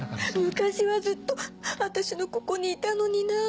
昔はずっと私のここにいたのにな。